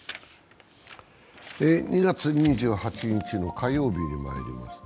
２月２８日の火曜日にまいります。